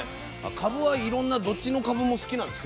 かぶはいろんなどっちのかぶも好きなんですけどね私は。